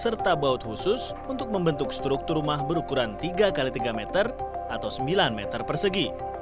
pertama panel tiga diperlukan dengan mur serta baut khusus untuk membentuk struktur rumah berukuran tiga x tiga m atau sembilan m persegi